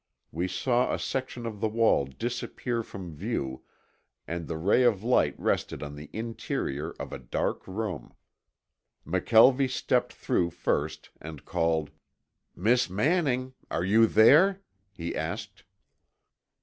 We saw a section of the wall disappear from view and the ray of light rested on the interior of a dark room. McKelvie stepped through first and called: "Miss Manning, are you there?" he asked.